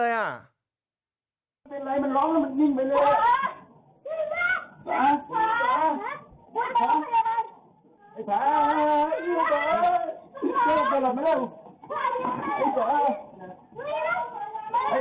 ไม่เป็นไรมันร้องแล้วมันวิ่งไปเลย